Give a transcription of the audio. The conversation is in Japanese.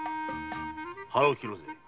腹を切ろう。